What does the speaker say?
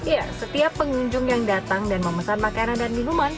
ya setiap pengunjung yang datang dan memesan makanan dan minuman